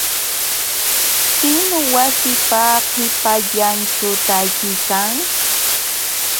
¿Pim wasiipa qipallanćhu taakuykan.?